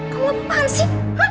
kamu apaan sih